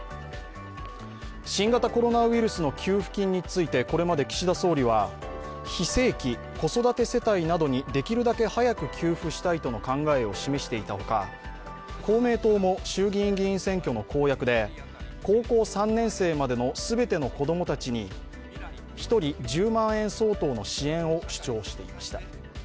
新型コロナウイルスの給付金についてこれまで岸田総理は非正規、子育て世帯などにできるだけ早く給付したいとの考えを示していたほか、公明党も衆議院議員選挙の公約で高校３年生までの全ての子供たちに１人１０万円相当の支援を主張していました。